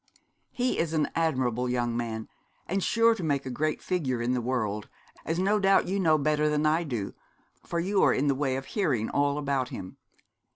He is an admirable young man, and sure to make a great figure in the world, as no doubt you know better than I do, for you are in the way of hearing all about him.